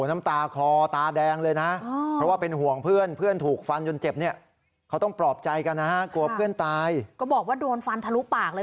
น้ำตาคลอตาแดงเลยนะเพราะว่าเป็นห่วงเพื่อนเพื่อนถูกฟันจนเจ็บเนี่ยเขาต้องปลอบใจกันนะฮะกลัวเพื่อนตายก็บอกว่าโดนฟันทะลุปากเลย